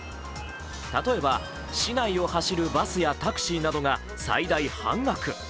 例えば、市内を走るバスやタクシーなどが最大半額。